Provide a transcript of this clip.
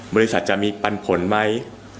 บริษัทจะมีปันผลไหม